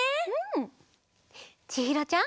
ちひろちゃん。